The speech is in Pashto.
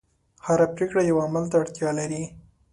هره پرېکړه یوه عمل ته اړتیا لري.